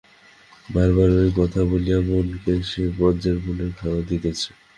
বার বার ওই কথা বলিয়া মনকে সে বজ্রের বলে বাঁধিতেছে।